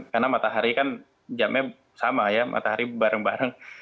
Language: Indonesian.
karena matahari kan jamnya sama ya matahari bareng bareng